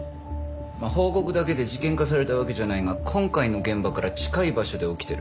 まあ報告だけで事件化されたわけじゃないが今回の現場から近い場所で起きてる。